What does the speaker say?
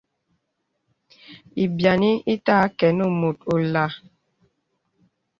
Lbīani ìtà kə nə mùt olā.